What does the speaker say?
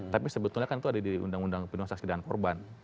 tapi sebetulnya kan itu ada di undang undang perlindungan saksi dan korban